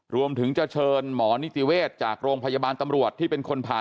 รวมถึงจะเชิญหมอนิติเวศจากโรงพยาบาลตำรวจที่เป็นคนผ่า